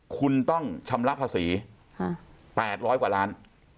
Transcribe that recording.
คุณต้องชำระภาษี๘๐๐กว่าล้าน